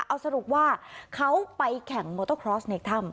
เอาสรุปว่าเขาไปแข่งมอเตอร์คลอสในถ้ำ